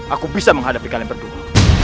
aku bisa menghadapi kalian berdua